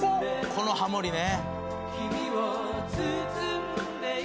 このハモリね。